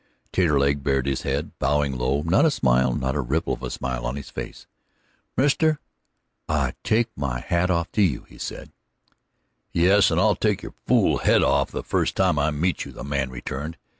Taterleg bared his head, bowing low, not a smile, not a ripple of a smile, on his face. "Mister, I take off my hat to you," he said. "Yes, and I'll take your fool head off the first time I meet you!" the man returned.